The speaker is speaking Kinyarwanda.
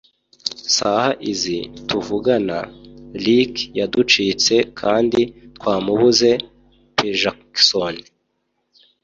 saha izi tuvugana Ricky yaducitse kandi twamubuze peJackson